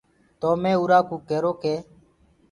تو مينٚ اُرو ڪوُ ڪيرو ڪي